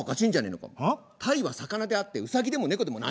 タイは魚であってウサギでもネコでもないんだよ。